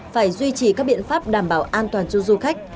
phải duy trì các biện pháp đảm bảo an toàn cho du khách